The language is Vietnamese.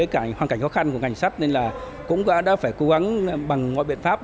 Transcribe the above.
cảnh hoàn cảnh khó khăn của ngành sắt nên là cũng đã phải cố gắng bằng mọi biện pháp